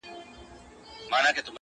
زه د جنتونو و اروا ته مخامخ يمه’